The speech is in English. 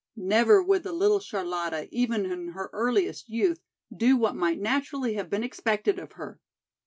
Never would the little Charlotta even in her earliest youth do what might naturally have been expected of her!